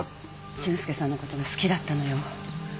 俊介さんのことが好きだったのよ。